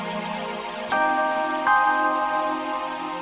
aku akan melacak siapa pencuri kitab itu